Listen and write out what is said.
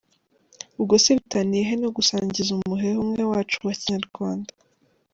Ubwo se bitaniye he no gusangiza umuheha umwe wacu wa Kinyarwanda?”.